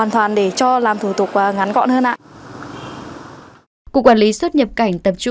ngón tay trỏ